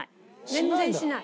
全然しない。